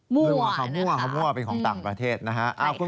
มั่วนะครับเป็นข่าวมั่วมั่วเป็นของต่างประเทศนะครับ